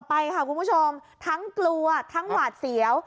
ไปค่ะคุณผู้ชมทั้งกลัวทั้งหวาดเสียว